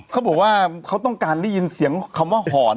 เขาบอกว่าเขาต้องการได้ยินเสียงคำว่าหอน